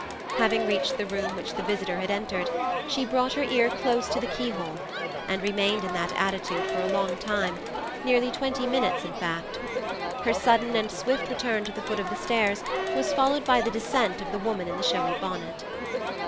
Having reached the room which the visitor had entered, she brought her ear close to the keyhole, and remained in that attitude for a long time—nearly twenty minutes, in fact. Her sudden and swift return to the foot of the stairs was followed by the descent of the woman in the showy bonnet.